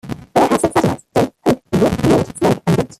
Bear has six satellites- Dog, Hawk, Eagle, Coyote, Snake and Goat.